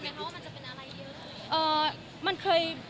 จริงกังวลไหมคะว่ามันจะเป็นอะไรเยอะ